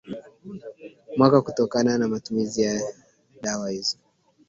mwaka kutokana na matumizi ya dawa hizo